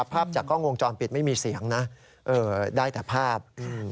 ภาพจากกล้องวงจรปิดไม่มีเสียงนะได้แต่ภาพ